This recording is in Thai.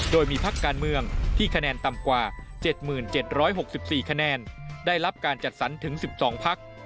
โดยมีพักการเมืองที่คะแนนต่ำกว่า๗๗๖๔คะแนนได้รับการจัดสรรถึง๑๒พัก